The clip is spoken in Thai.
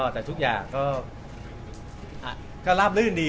แต่ทุกอย่าก็ล่ามรื่นดี